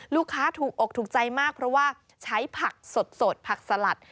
ลูกค้าถูกอกถูกใจมากเพราะว่าใช้ผักสดผักสลัด